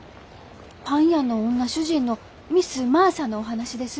パン屋の女主人のミス・マーサのお話です。